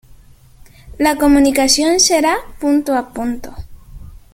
La comunicación será punto a punto.